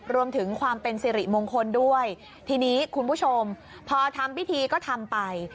รวมถึงความเป็นสิริมงคลด้วยทีนี้คุณผู้ชมพอทำพิธีก็ทำไป